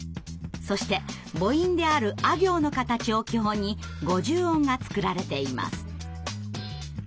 そして母音である「あ行」の形を基本に５０音が作られています。